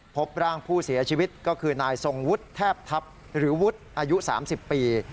พบร่างผู้เสียชีวิตก็คือนายทรงวุฒิแทบทัพหรือวุฒิอายุ๓๐ปี